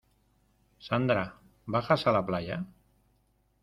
Sandra, ¿bajas a la playa?